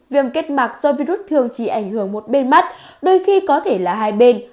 viêm kết mạc do virus thường chỉ ảnh hưởng một bên mắt đôi khi có thể là hai bên